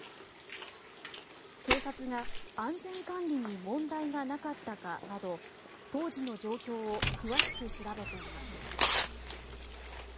警察が安全管理に問題がなかったかなど当時の状況を詳しく調べています。